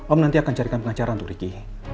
om nanti akan carikan pengacara untuk ricky